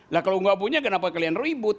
lah kalau nggak punya kenapa kalian ribut